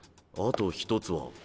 あと一つは。